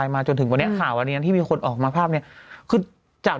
เออฮือนี่โปรกมาให้ฮือฮือ